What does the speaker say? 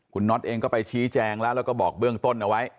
คุณน็อตเองก็ไปชี้แจงแล้วแล้วก็บอกเบื้องต้นเอาไว้